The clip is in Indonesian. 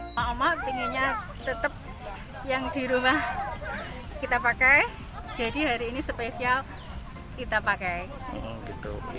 emak emak inginnya tetap yang di rumah kita pakai jadi hari ini spesial kita pakai gitu